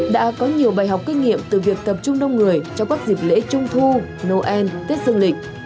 đã có nhiều bài học kinh nghiệm từ việc tập trung đông người trong các dịp lễ trung thu nồn tết dương lịch